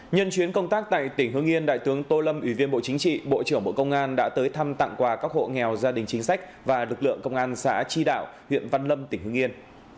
nhân chuyến công tác tại tỉnh hương yên đại tướng tô lâm ủy viên bộ chính trị bộ trưởng bộ công an đã tới thăm tặng quà các hộ nghèo gia đình chính sách và lực lượng công an xã tri đạo huyện văn lâm tỉnh hương yên